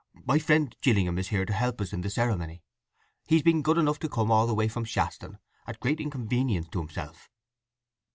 My friend Gillingham is here to help us in the ceremony. He's been good enough to come all the way from Shaston at great inconvenience to himself."